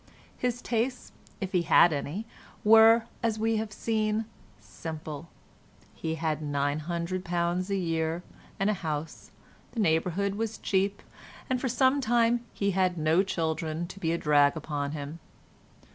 His tastes—if he had any—were, as we have seen, simple; he had £900 a year and a house; the neighbourhood was cheap, and for some time he had no children to be a drag upon him.